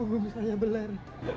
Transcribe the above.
lupa gue misalnya beler